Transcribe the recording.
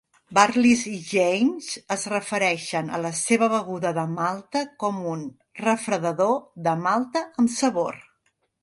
Bartles i Jaymes es refereixen a la seva beguda de malta com un "refredador de malta amb sabor".